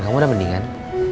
kamu udah mendingan